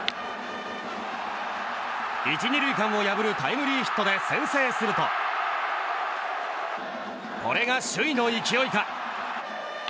１、２塁間を破るタイムリーヒットで先制するとこれが首位の勢いか。